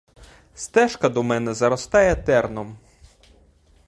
Стежка до мене заростає терном.